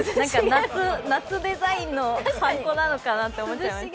夏デザインの判こなのかなと思っちゃいました。